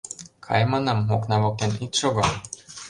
Кай, манам, окна воктен ит шого.